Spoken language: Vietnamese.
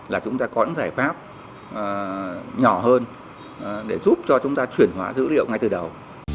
là chúng ta có những giải pháp nhỏ hơn để giúp cho chúng ta chuyển hóa dữ liệu ngay từ đầu